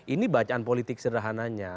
ini bacaan politik sederhananya